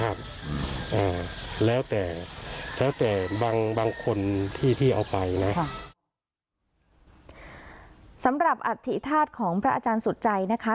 อ่าแล้วแต่แล้วแต่บางบางคนที่ที่เอาไปนะครับค่ะสำหรับอธิษฎาจของพระอาจารย์สุดใจนะคะ